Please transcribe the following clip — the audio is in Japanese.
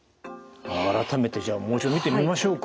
改めてじゃあもう一度見てみましょうか。